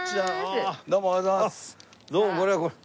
どうもこれはこれは。